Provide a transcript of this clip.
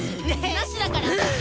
なしだから！